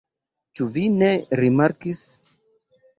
Ĉu vi ne rimarkis?